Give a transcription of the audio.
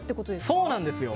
そうなんですよ！